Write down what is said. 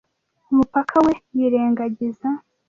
umupaka we yirengagiza